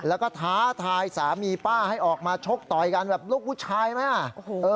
แล้วก็ท้าทายสามีป้าให้ออกมาชกต่อยกันแบบลูกผู้ชายไหมอ่ะโอ้โห